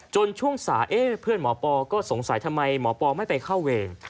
ช่วงสายเพื่อนหมอปอก็สงสัยทำไมหมอปอไม่ไปเข้าเวร